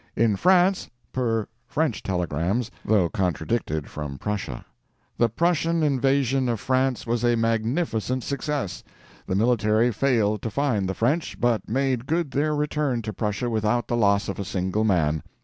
In France, per French telegrams, though contradicted from Prussia. The Prussian invasion of France was a magnificent success. The military failed to find the French, but made good their return to Prussia without the loss of a single man.